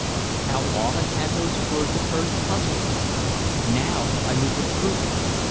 How often had those words of hers puzzled me! Now I knew the truth!